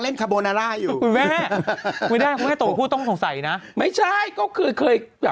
เยอะกว่าเยอะกว่าเยอะ